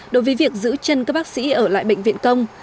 đối với việc giữ chân các bác sĩ ở lại bệnh viện công